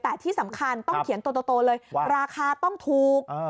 แต่ที่สำคัญต้องเขียนตัวเลยราคาต้องถูก